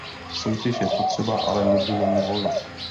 Soutěž je potřebná, ale nikdy není volná.